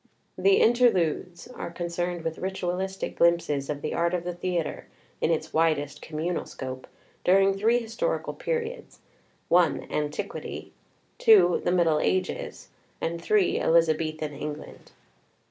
The Interludes are concerned with ritualistic glimpses of the art of the theatre [in its widest, communal scope] during three historical periods: [i] Antiquity, the Middle Ages, and Elizabethan England.